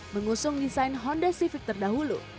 mengusung desain honda civic terdahulu